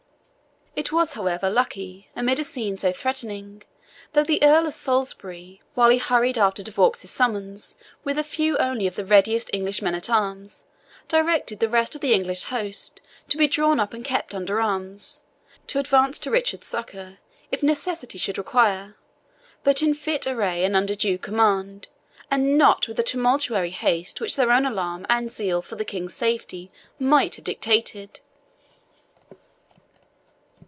It was, however, lucky, amid a scene so threatening, that the Earl of Salisbury, while he hurried after De Vaux's summons with a few only of the readiest English men at arms, directed the rest of the English host to be drawn up and kept under arms, to advance to Richard's succour if necessity should require, but in fit array and under due command, and not with the tumultuary haste which their own alarm and zeal for the King's safety might have dictated.